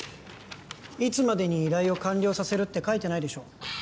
いつまでに依頼を完了させるって書いてないでしょ